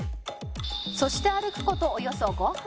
「そして歩く事およそ５分」